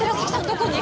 どこに？